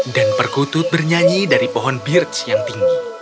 dan perkutut bernyanyi dari pohon birch yang tinggi